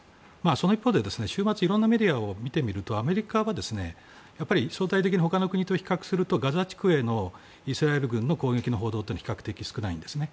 その一方で、週末いろんなメディアを見てみるとアメリカは相対的に他の国と比較するとガザ地区へのイスラエル軍の攻撃の報道というのは比較的、少ないんですね。